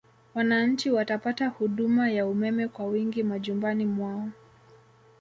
Wananchi watapata huduma ya umeme kwa wingi majumbani mwao